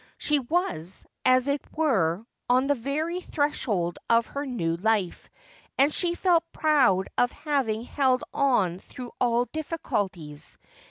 She was, as it were, on the very threshold :r her r.ew life : and she felt proud of having held on through ah dithouki s.